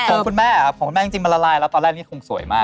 ของคุณแม่ครับของคุณแม่จริงมันละลายแล้วตอนแรกนี้คงสวยมาก